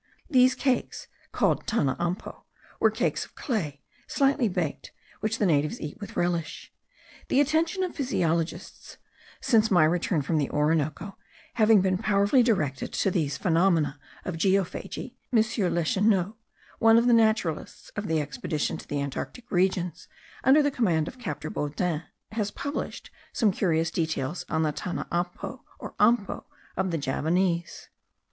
These cakes called tanaampo, were cakes of clay, slightly baked, which the natives eat with relish. The attention of physiologists, since my return from the Orinoco, having been powerfully directed to these phenomena of geophagy, M. Leschenault (one of the naturalists of the expedition to the Antarctic regions under the command of captain Baudin) has published some curious details on the tanaampo, or ampo, of the Javanese.